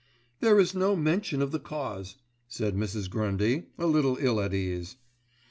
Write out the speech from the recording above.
"There is no mention of the cause," said Mrs. Grundy, a little ill at ease.